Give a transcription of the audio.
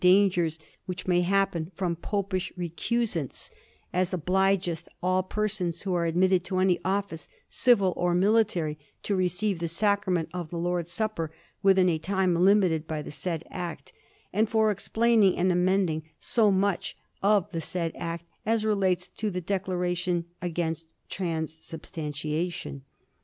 Dangers which may happen from Popish Becnsants, as obligeth all persons who are admitted to any office, civil or military, to receive the Sacrament of the Lord's Sap per within a time limited by the said Act; and for ex plaining and amending so much of the said Act as relates to the declaration against trans substantiation."